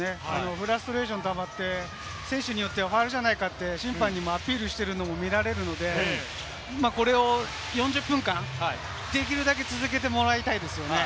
フラストレーション溜まって、選手によってはファウルじゃないかって審判にもアピールしているのも見られるので、これを４０分間できるだけ続けてもらいたいですよね。